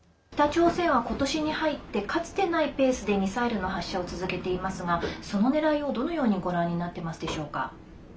北朝鮮はことしに入ってかつてないペースでミサイルの発射を続けていますがそのねらいを、どのようにご覧になっていますでしょうか。